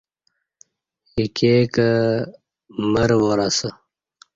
ایکے کہ مرواراسہ